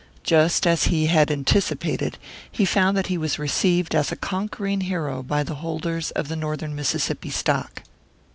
Just as he had anticipated, he found that he was received as a conquering hero by the holders of the Northern Mississippi stock.